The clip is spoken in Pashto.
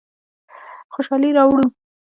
خوشحالي راوړو.